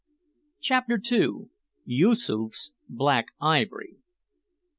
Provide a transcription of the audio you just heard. CHAPTER TWO. YOOSOOF'S "BLACK IVORY."